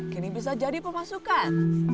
kini bisa jadi pemasukan